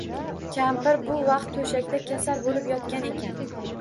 Kampir bu vaqt toʻshakda kasal boʻlib yotgan ekan